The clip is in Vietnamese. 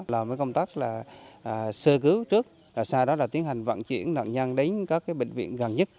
làm công tác là sơ cứu trước sau đó là tiến hành vận chuyển nạn nhân đến các bệnh viện gần nhất